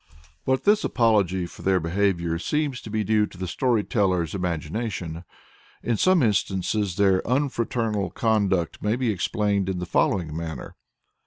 " But this apology for their behavior seems to be due to the story teller's imagination. In some instances their unfraternal conduct may be explained in the following manner.